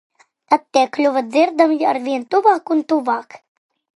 Tad tie kļuva dzirdami arvien tuvāk un tuvāk.